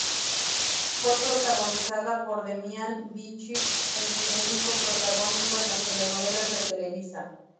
Fue protagonizada por Demián Bichir en su único protagónico en las telenovelas de Televisa.